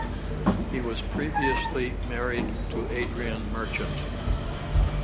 He was previously married to Adrian Merchant.